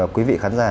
quý vị khán giả